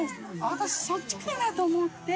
私そっちかなと思って。